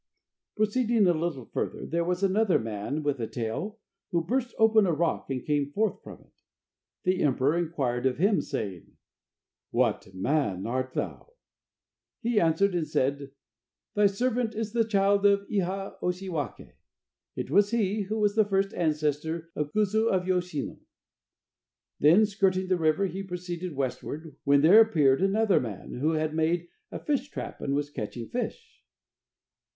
Proceeding a little further, there was another man with a tail, who burst open a rock and came forth from it. The emperor inquired of him, saying: "What man art thou?" He answered and said: "Thy servant is the child of Iha oshiwake." It is he who was the first ancestor of the Kuzu of Yoshino. Then, skirting the river, he proceeded westward, when there appeared another man, who had made a fishtrap and was catching fish.